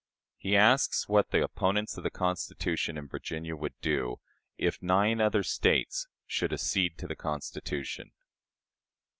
He asks what the opponents of the Constitution in Virginia would do, "if nine other States should accede to the Constitution."